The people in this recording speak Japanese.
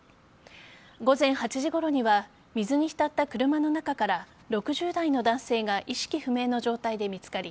午前８時ごろには水に浸った車の中から６０代の男性が意識不明の状態で見つかり